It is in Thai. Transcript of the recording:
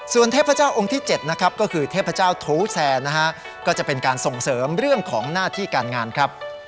ส่วนเทพเจ้าองค์ที่๗นะครับก็คือเทพเจ้าโถแซนนะฮะก็จะเป็นการส่งเสริมเรื่องของหน้าที่การงานครับ